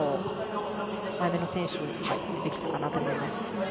前の選手を入れてきたかなと思います。